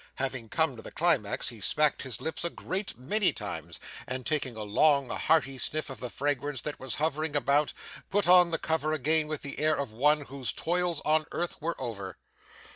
Having come to the climax, he smacked his lips a great many times, and taking a long hearty sniff of the fragrance that was hovering about, put on the cover again with the air of one whose toils on earth were over.